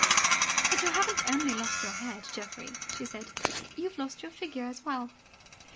"But you haven't only lost your head, Geoffrey," she said. "You've lost your figure as well."